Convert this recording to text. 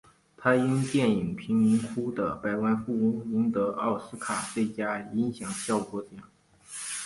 他因电影贫民窟的百万富翁赢得了奥斯卡最佳音响效果奖。